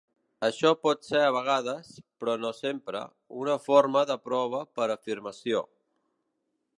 Això pot ser a vegades, però no sempre, una forma de prova per afirmació.